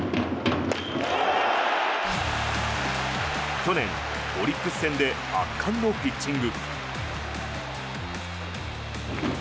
去年、オリックス戦で圧巻のピッチング。